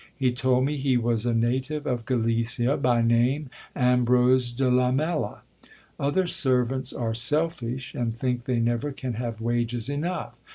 He told me he was a native of Galicia, by name Ambrcse de^Lamela. Other servants are selfish, and think they never can have wages enough.